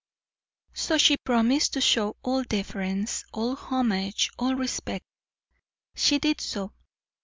So she promised to show all deference, all homage, all respect. She did so.